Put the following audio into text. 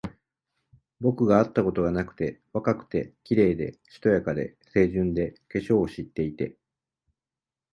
僕があったことがなくて、若くて、綺麗で、しとやかで、清純で、化粧を知っていて、